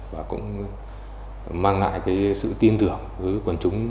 và cũng mang lại cái sự tin tưởng với quần chúng